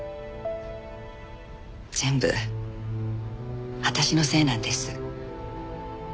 全部私のせいなんです。